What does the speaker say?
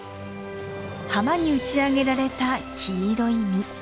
浜に打ち上げられた黄色い実。